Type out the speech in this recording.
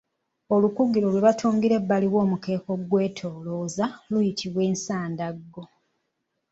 Olukugiro lwe batungira ebbali w’omukeeka okugwetoolooza luyitibwa Ensandaggo.